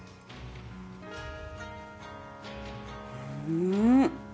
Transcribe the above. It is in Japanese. うん！